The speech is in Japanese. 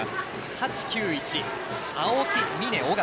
８、９、１、青木、峯、緒方。